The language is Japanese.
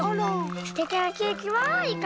すてきなケーキはいかがですか？